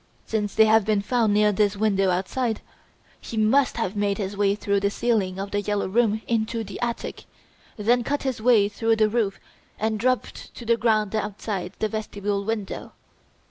Since they have been found near this window outside, he must have made his way through the ceiling of "The Yellow Room" into the attic, then cut his way through the roof and dropped to the ground outside the vestibule window.